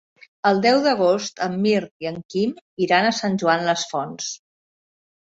El deu d'agost en Mirt i en Quim iran a Sant Joan les Fonts.